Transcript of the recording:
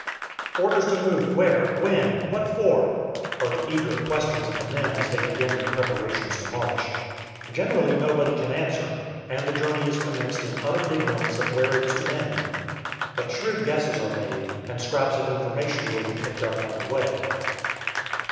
Orders to move! Where? when? what for? are the eager questions of the men as they begin their preparations to march. Generally nobody can answer, and the journey is commenced in utter ignorance of where it is to end. But shrewd guesses are made, and scraps of information will be picked up on the way.